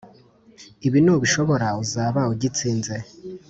ibi nubishobora uzaba ugitsinze